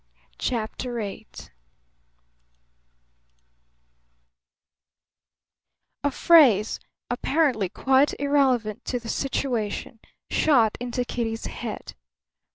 CHAPTER VIII A phrase, apparently quite irrelevant to the situation, shot into Kitty's head.